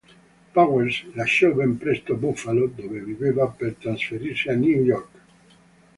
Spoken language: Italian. Powers lasciò ben presto Buffalo, dove viveva, per trasferirsi a New York.